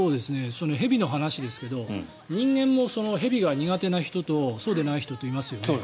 蛇の話ですが人間も蛇が苦手な人とそうでない人といますよね。